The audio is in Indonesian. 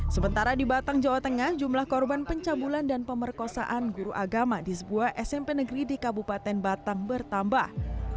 sementara di batang jawa tengah jumlah korban pencabulan dan pemerkosaan guru agama di sebuah smp negeri di kabupaten batang bertambah